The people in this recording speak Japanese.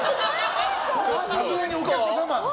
さすがにお客様。